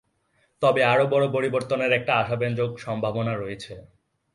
তবে আরও বড় পরিবর্তনের একটা আশাব্যঞ্জক সম্ভাবনা রয়েছে।